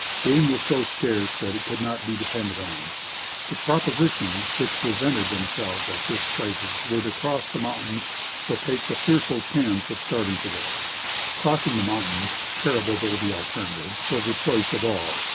Game was so scarce that it could not be depended on. The propositions which presented themselves at this crisis were to cross the mountains or take the fearful chance of starving to death. Crossing the mountains, terrible though the alternative, was the choice of all.